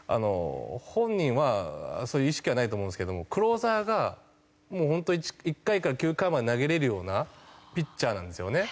本人はそういう意識はないと思うんですけどもクローザーがもう本当１回から９回まで投げれるようなピッチャーなんですよね。